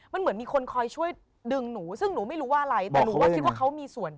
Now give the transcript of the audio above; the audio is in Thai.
มันเหมือนมีคนคอยช่วยดึงหนูซึ่งหนูไม่รู้ว่าอะไรแต่หนูก็คิดว่าเขามีส่วน